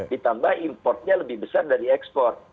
ditambah importnya lebih besar dari ekspor